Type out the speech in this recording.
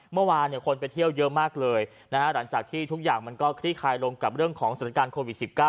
เมื่อวานคนไปเที่ยวเยอะมากเลยหลังจากที่ทุกอย่างมันก็คลี่คลายลงกับเรื่องของสถานการณ์โควิด๑๙